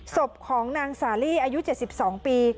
ศพของนางสาลีอายุ๗๒ปี